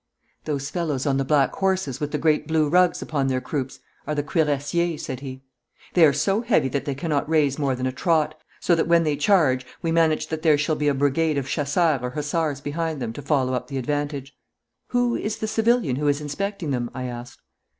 'Those fellows on the black horses with the great blue rugs upon their croups are the Cuirassiers,' said he. 'They are so heavy that they cannot raise more than a trot, so when they charge we manage that there shall be a brigade of chasseurs or hussars behind them to follow up the advantage.' 'Who is the civilian who is inspecting them?' I asked.